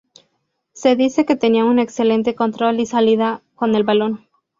Se dice que tenía un excelente control y salida con el balón.